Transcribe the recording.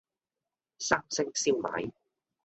三星燒賣